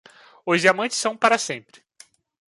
Os diamantes são para sempre.